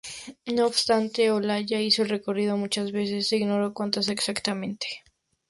No obstante, Olaya hizo el recorrido muchas veces; se ignora cuántas exactamente.